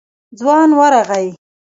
ځوان ورغی.